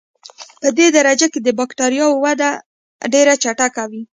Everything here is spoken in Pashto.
پدې درجه کې د بکټریاوو وده ډېره چټکه وي.